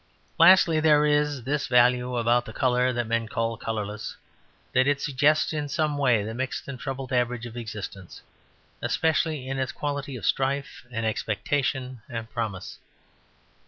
Lastly, there is this value about the colour that men call colourless; that it suggests in some way the mixed and troubled average of existence, especially in its quality of strife and expectation and promise.